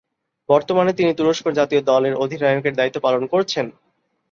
বর্তমানে তিনি তুরস্ক জাতীয় দল এর অধিনায়ক এর দ্বায়িত্ব পালন করছেন।